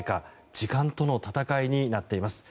時間との戦いになっています。